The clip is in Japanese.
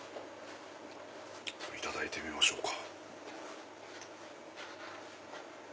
いただいてみましょうか。